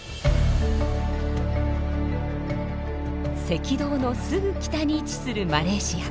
赤道のすぐ北に位置するマレーシア。